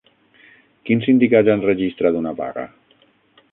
Quins sindicats han registrat una vaga?